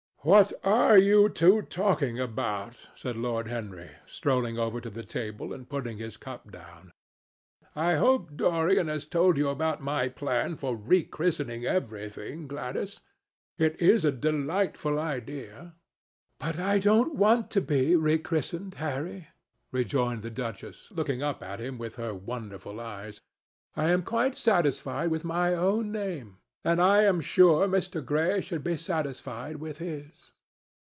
"What are you two talking about?" said Lord Henry, strolling over to the table and putting his cup down. "I hope Dorian has told you about my plan for rechristening everything, Gladys. It is a delightful idea." "But I don't want to be rechristened, Harry," rejoined the duchess, looking up at him with her wonderful eyes. "I am quite satisfied with my own name, and I am sure Mr. Gray should be satisfied with his."